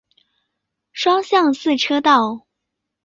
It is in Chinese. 双向四车道。